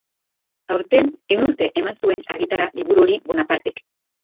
Aurten ehun urte eman zuen argitara liburu hori Bonapartek.